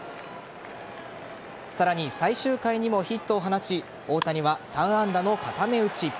さらに、最終回にもヒットを放ち大谷は３安打の固め打ち。